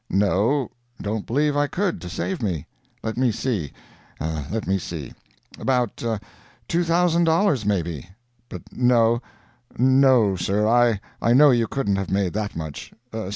"No don't believe I could, to save me. Let me see let me see. About two thousand dollars, maybe? But no; no, sir, I know you couldn't have made that much.